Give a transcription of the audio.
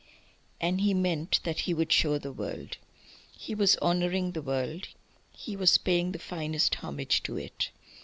And he meant that he would show the world... He was honouring the world; he was paying the finest homage to it.